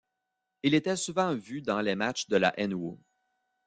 Il était souvent vu dans les matchs de la nWo.